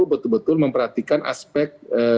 betul betul memperhatikan aspek